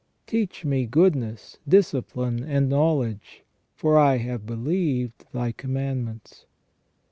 '' "Teach me goodness, discipline, and knowledge; for I have believed Thy command ments."